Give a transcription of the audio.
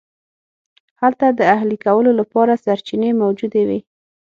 هلته د اهلي کولو لپاره سرچینې موجودې وې.